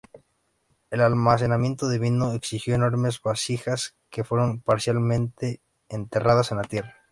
El almacenamiento de vino exigió enormes vasijas que fueron parcialmente enterradas en la tierra.